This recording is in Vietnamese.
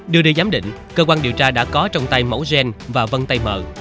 đưa đi giám định cơ quan điều tra đã có trong tay mẫu gen và vân tay mờ